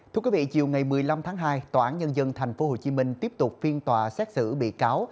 thưa quý vị chiều ngày một mươi năm tháng hai tòa án nhân dân tp hcm tiếp tục phiên tòa xét xử bị cáo